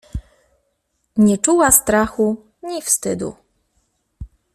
Nie czuła strachu ni wstydu.